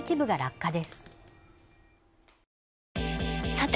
さて！